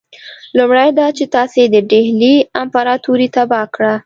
لومړی دا چې تاسي د ډهلي امپراطوري تباه کړه.